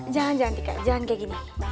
jangan jangan tika jangan kayak gini